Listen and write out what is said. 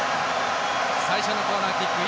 最初のコーナーキック